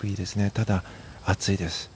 ただ、暑いです。